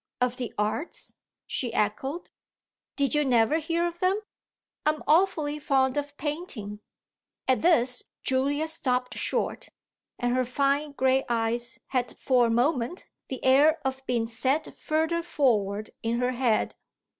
"Of the arts?" she echoed. "Did you never hear of them? I'm awfully fond of painting." At this Julia stopped short, and her fine grey eyes had for a moment the air of being set further forward in her head.